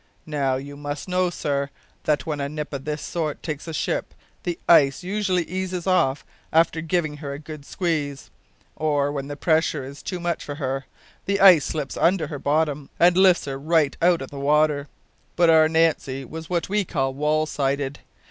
Now, you must know, sir, that when a nip o' this sort takes a ship the ice usually eases off, after giving her a good squeeze, or when the pressure is too much for her, the ice slips under her bottom and lifts her right out o' the water. But our Nancy was what we call wall sided.